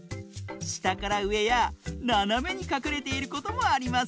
したからうえやななめにかくれていることもありますよ！